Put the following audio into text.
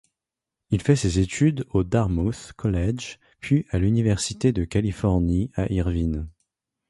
Il fait ses études au Dartmouth College, puis à l'Université de Californie à Irvine.